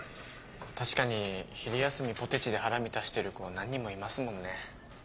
確かに昼休みポテチで腹満たしてる子何人もいますもんね。